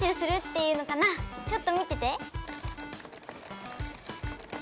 ちょっと見てて。